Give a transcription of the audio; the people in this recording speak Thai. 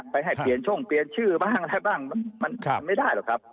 ให้เปลี่ยนช่องเปลี่ยนชื่อบ้างอะไรบ้างมันไม่ได้หรอกครับ